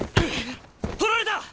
取られた！